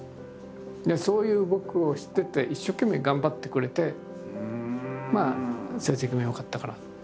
そういう僕を知ってて一生懸命頑張ってくれてまあ成績も良かったから。